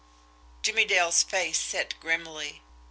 Jimmie Dale's face set grimly.